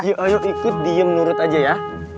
yuk ayo ikut diem nurut aja ya